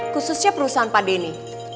khususnya perusahaan pak deny